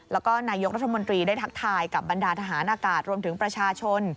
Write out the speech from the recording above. แล้วก็นายกรัฐมนตรีได้ทักทายกับบรรดาทหารอากาศรวมถึงประชาชน